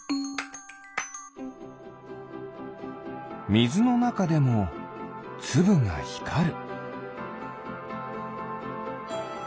みずのなかでもつぶがひかる。